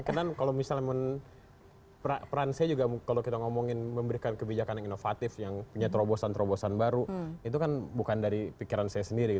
karena kalau misalnya peran saya juga kalau kita ngomongin memberikan kebijakan yang inovatif yang punya terobosan terobosan baru itu kan bukan dari pikiran saya sendiri